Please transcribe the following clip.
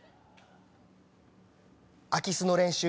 空き巣の練習？